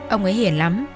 ông ấy hiền lắm